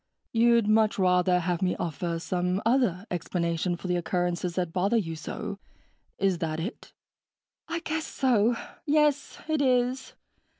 "You'd much rather have me offer some other explanation for the occurrences that bother you so is that it?" "I guess so. Yes, it is.